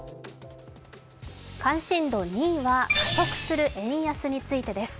関心度２位は加速する円安についてです。